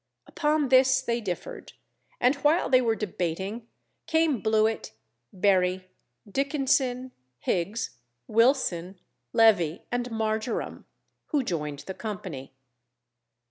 Upon this they differed, and while they were debating, came Blewit, Berry, Dickenson, Higgs, Wilson, Levee, and Marjoram, who joined the company.